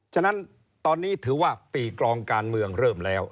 ฉะนั้นตอนนี้ถือว่าปีกรองการเมืองเริ่มแล้ว